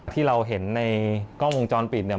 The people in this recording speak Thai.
ที่เราเห็นในกล้องวงจรปิดเนี่ย